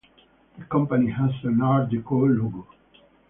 The company has an Art Deco logo.